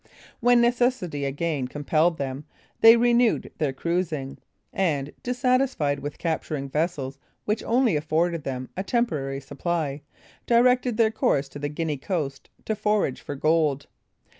_] When necessity again compelled them, they renewed their cruising; and, dissatisfied with capturing vessels which only afforded them a temporary supply, directed their course to the Guinea coast to forage for gold.